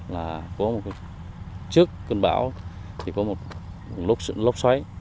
là có một chức cơn bão thì có một lốc xoáy